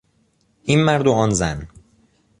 این مرد و آن زن